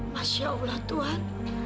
masya allah tuhan